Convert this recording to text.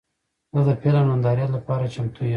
زه د فلم نندارې لپاره چمتو یم.